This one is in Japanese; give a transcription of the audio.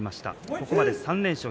ここまで３連勝。